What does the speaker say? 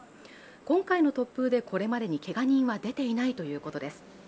今回の突風でこれまでにけが人は出ていないということです。